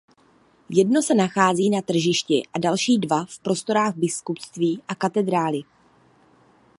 Jedno se nachází na tržišti a další dva v prostorách biskupství a katedrály.